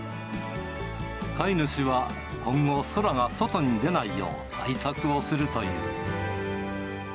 飼い主は今後、宙が外に出ないよう対策をするという。